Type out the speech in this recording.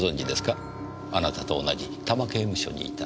あなたと同じ多摩刑務所にいた。